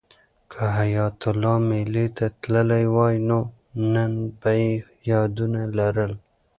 که حیات الله مېلې ته تللی وای نو نن به یې یادونه لرل.